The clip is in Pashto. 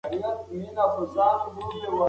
آس په خپلو پښو ودرېد او د کلي په لور روان شو.